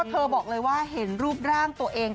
เธอบอกเลยว่าเห็นรูปร่างตัวเอง